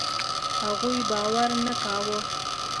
هغوی باور نه کاوه.